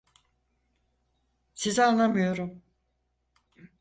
Sizi anlamıyorum.